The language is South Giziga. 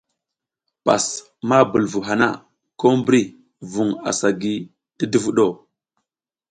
Pas ma bul vu hana, ko mbri vuƞ asa gi ti duvuɗ o.